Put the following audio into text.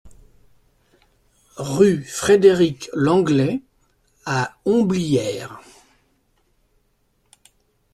Rue Frédéric Lenglet à Homblières